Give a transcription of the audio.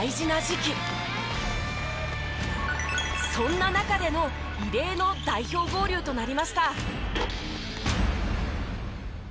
そんな中での異例の代表合流となりました。